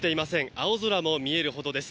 青空も見えるほどです。